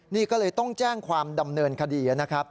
นี่ก็เลยต้องแจ้งความดำเนินคดีนะครับ